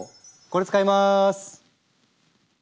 これ使います！